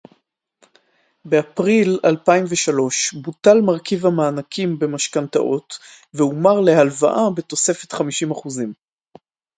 באפריל אלפיים ושלוש בוטל מרכיב המענקים במשכנתאות והומר להלוואה בתוספת חמישים אחוזים